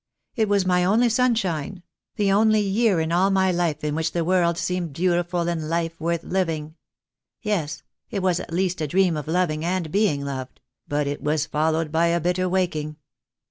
It was my only sunshine — the only year in all my life in which the world seemed beautiful and life worth living. Yes, it was at least a dream of loving and being loved; but it was followed by a bitter waking."